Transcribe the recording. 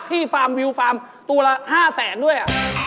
ที่ฟาร์มวิวฟาร์มตัวละ๕๐๐๐๐๐ด้วย